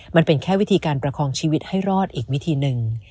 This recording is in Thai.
มันเป็นแค่วิธีการประคองชีวิตให้รอดอีกวิธีหนึ่ง